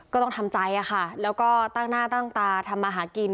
ก็ต้องทำใจค่ะแล้วก็ตั้งหน้าตั้งตาทำมาหากิน